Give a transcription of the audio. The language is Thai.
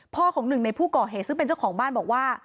ของหนึ่งในผู้ก่อเหตุซึ่งเป็นเจ้าของบ้านบอกว่า